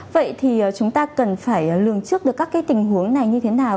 vậy thì chúng ta cần phải lường trước được các cái tình huống này như thế nào